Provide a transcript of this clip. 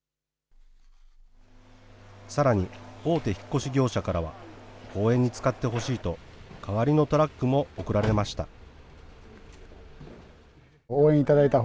さらに、大手引っ越し業者からは、公演に使ってほしいと、代わりのトラックも贈られました。